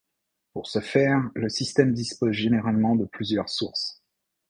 Pour ce faire, le système dispose généralement de plusieurs sources.